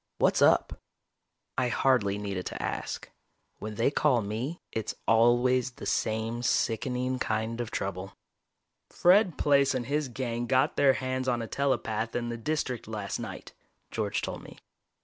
What's up?" I hardly needed to ask. When they call me, it's always the same sickening kind of trouble. "Fred Plaice and his gang got their hands on a telepath in the District last night," George told me.